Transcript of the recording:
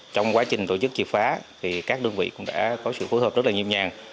trong quá trình tổ chức triệt phá thì các đơn vị cũng đã có sự phối hợp rất là nhiêm nhàng